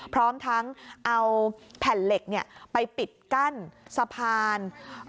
พร้อมทั้งเอาแผ่นเหล็กไปปิดกั้นสะพาน